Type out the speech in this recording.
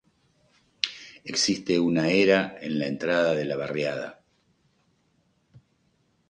Existe una era a la entrada de la barriada.